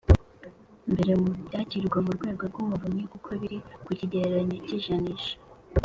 mbere mu byakirwa n Urwego rw Umuvunyi kuko biri ku kigereranyo cy ijanisha